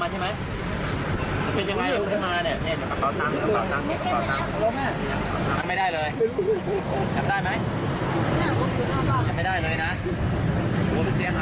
ฮะมันม่วงกันเลยผสมกันเลย